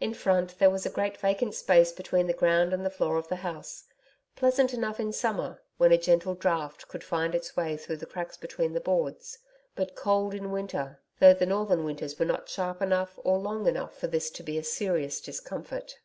In front there was a great vacant space between the ground and the floor of the house pleasant enough in summer, when a gentle draught could find its way through the cracks between the boards, but cold in winter, though the northern winters were not sharp enough or long enough for this to be a serious discomfort.